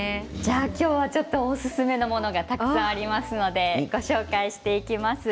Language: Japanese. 今日はおすすめのものがたくさんありますのでご紹介していきます。